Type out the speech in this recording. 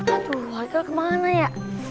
aduh haikal kemana ya